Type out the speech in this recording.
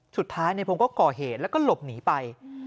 สุดท้ายในพงศ์ก็ก่อเหตุแล้วก็หลบหนีไป